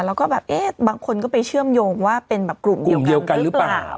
แล้วก็แบบเอ๊ะบางคนก็ไปเชื่อมโยงว่าเป็นแบบกลุ่มเดียวกันหรือเปล่า